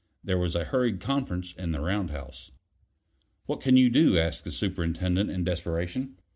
There was a hurried conference in the round house. "What can you do?" asked the Superintendent in desperation.